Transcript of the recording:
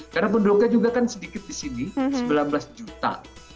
karena penduduknya juga kan sedikit di sini sembilan belas juta